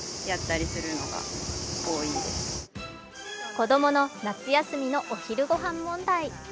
子供の夏休みのお昼ご飯問題。